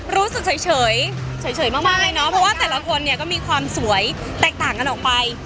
รู้สึกเฉยเฉยมากเลยเนาะเพราะว่าแต่ละคนเนี่ยก็มีความสวยแตกต่างกันออกไป